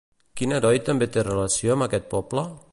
Quin heroi també té relació amb aquest poble?